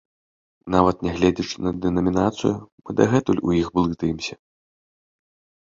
Нават нягледзячы на дэнамінацыю, мы дагэтуль у іх блытаемся.